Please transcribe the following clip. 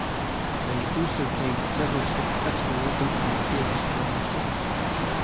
They also played several successful open-air gigs during the summer.